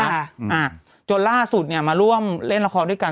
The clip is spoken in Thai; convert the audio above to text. อ่าจนล่าสุดเนี่ยมาร่วมเล่นละครด้วยกัน